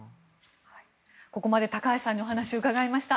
ここまで高橋さんにお話を伺いました。